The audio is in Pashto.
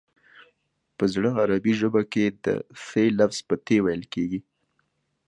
په زړه عربي ژبه کې د ث لفظ په ت ویل کېږي